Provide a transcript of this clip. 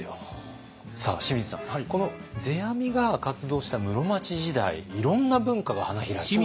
この世阿弥が活動した室町時代いろんな文化が花開いた。